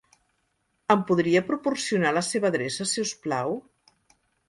Em podria proporcionar la seva adreça, si us plau?